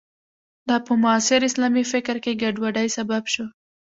دا په معاصر اسلامي فکر کې ګډوډۍ سبب شو.